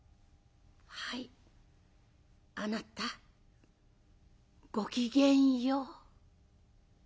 「はいあなた。ごきげんよう」。